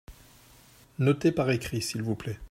Notez par écrit, s'il vous plait.